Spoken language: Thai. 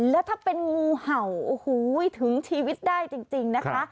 แล้วถ้าเป็นงูเห่าโอ้โหถึงชีวิตได้จริงนะคะ